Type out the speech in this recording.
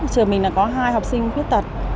trường mình là có hai học sinh khuyết tật